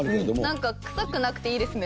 なんか臭くなくていいですね。